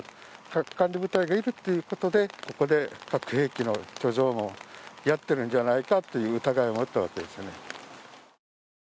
核管理部隊がいるということで、ここで核兵器の貯蔵もやってるんじゃないかという疑いを持ったわけですね。